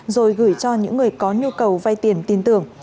rồi gửi cho những người có nhu cầu vay tiền tin tưởng